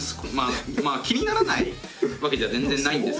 まあ気にならないわけじゃ全然ないんですけど。